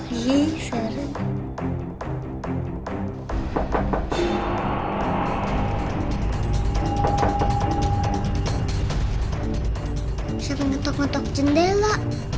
iya sih ada